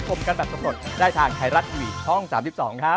โปรดติดตามตอนต่อไป